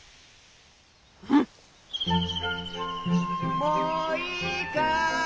もういいかい？